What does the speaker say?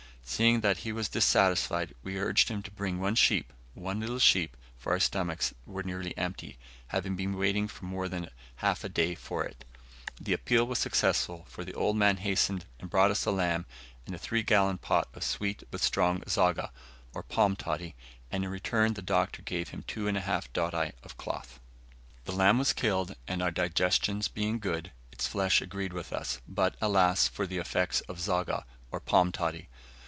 Seeing that he was dissatisfied, we urged him to bring one sheep one little sheep for our stomachs were nearly empty, having been waiting more than half a day for it. The appeal was successful, for the old man hastened, and brought us a lamb and a three gallon pot of sweet but strong zogga, or palm toddy, and in return the Doctor gave him two and a half doti of cloth. The lamb was killed, and, our digestions being good, its flesh agreed with us; but, alas, for the effects of zogga, or palm toddy!